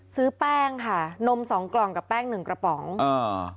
ซื้อแป้งค่ะนมสองกล่องกับแป้งหนึ่งกระป๋องอ่า